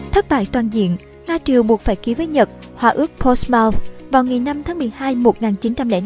thất bại toàn diện nga triều buộc phải ký với nhật hòa ước portsmouth vào ngày năm tháng một mươi hai một nghìn chín trăm linh năm